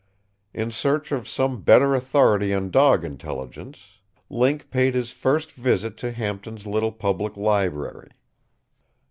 In search of some better authority on dog intelligence, Link paid his first visit to Hampton's little public library.